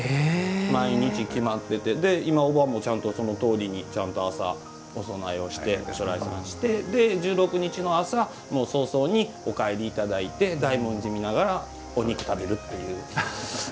毎日決まっててお盆はそのとおりちゃんと朝、お供えをしてお精霊さんして１６日の朝、早々にお帰りいただいて大文字見ながらお肉食べるっていう。